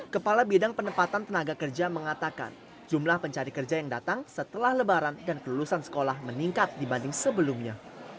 kepala bidang penempatan tenaga kerja mengatakan jumlah pencari kerja yang datang setelah lebaran dan kelulusan sekolah meningkat dibanding sebelumnya